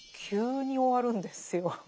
急に終わるんですよ。